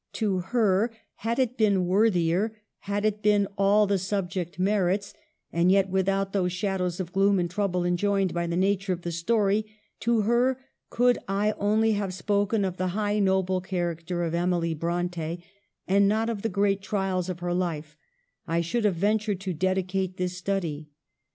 To her, had it been worthier, had it been all the subject merits, and yet without those shadows of gloom and trouble enjoined by the nature of the story ; to her, could I only have spoken of the high noble character of Emily Bronte and not of the great trials of her life, I should have ventured to dedicate this study.